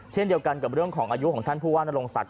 เช่นเดียวกันกับเรื่องของอายุของท่านผู้ว่านรงศักดิ